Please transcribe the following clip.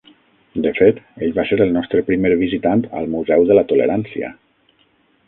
De fet, ell va ser el nostre primer visitant al Museu de la Tolerància.